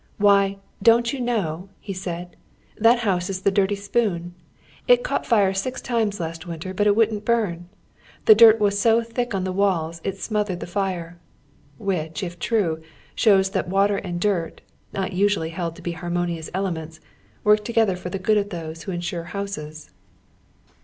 "Why, don't you know," he said, "that house is the Dirty Spoon? It caught fire six times last winter, but it wouldn't bum. The dirt was so thick on the walls, it smotliered the fire !" "Which, if true, shows that water and dirt, not usually held to be harmonious elements, work together for the good of those who insure houses.